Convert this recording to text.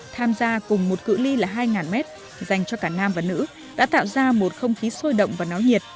tham gia cùng một cử ly là hai m dành cho cả nam và nữ đã tạo ra một không khí sôi động và nó nhiệt